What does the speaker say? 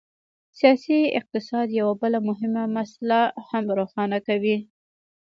سیاسي اقتصاد یوه بله مهمه مسله هم روښانه کوي.